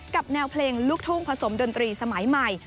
แนวเพลงลูกทุ่งผสมดนตรีสมัยใหม่